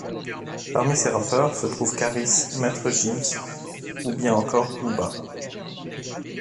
Parmi ces rappeurs se trouvent Kaaris, Maître Gims ou bien encore Booba.